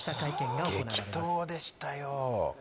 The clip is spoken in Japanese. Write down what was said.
激闘でしたよ。